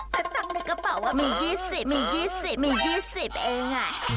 แต่ตังค์ในกระเป๋ามี๒๐มี๒๐มี๒๐เอง